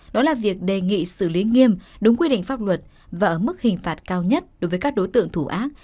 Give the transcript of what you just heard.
đó là việc đề nghị xử lý nghiêm đúng quy định pháp luật và ở mức hình phạt cao nhất đối với các đối tượng thủ ác